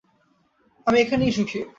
আমি এখানেই সুখী।